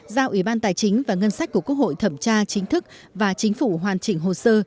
giao ủy ban tài chính và ngân sách của quốc hội thẩm tra chính thức và chính phủ hoàn chỉnh hồ sơ